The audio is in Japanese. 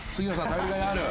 頼りがいある。